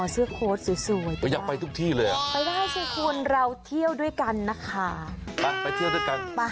เสื้อโค้ดสวยอยากไปทุกที่เลยแอบไปได้คุณเราเที่ยวด้วยกันนะคะ